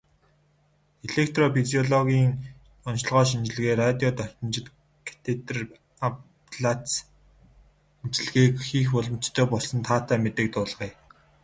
Электрофизиологийн оношилгоо, шинжилгээ, радио давтамжит катетр аблаци эмчилгээг хийх боломжтой болсон таатай мэдээг дуулгая.